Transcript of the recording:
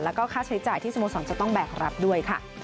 แล้วก็ค่าใช้จ่ายที่สโมสรจะต้องแบกรับด้วยค่ะ